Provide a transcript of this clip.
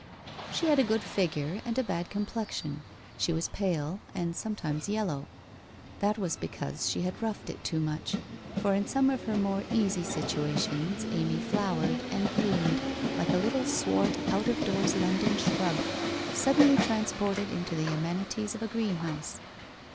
She had a good figure, and a bad complexion. She was pale, and sometimes yellow. That was because she had roughed it too much; for in some of her more easy sit uations Amy flowered, and bloomed, like a little swart out of doors London shrub, suddenly transported into the amenities of a greenhouse.